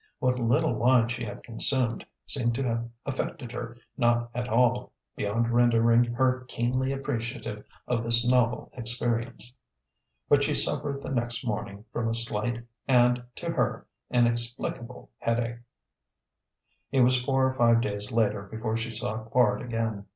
What little wine she had consumed seemed to have affected her not at all, beyond rendering her keenly appreciative of this novel experience. But she suffered the next morning from a slight and, to her, inexplicable headache. It was four or five days later before she saw Quard again.